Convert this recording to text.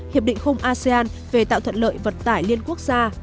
hiệp định không asean về tạo thuận lợi vận tải liên quốc gia